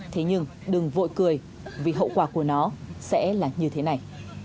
thế nhưng đừng vội cười vì hậu quả của nó sẽ là như thế này